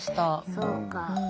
そうか。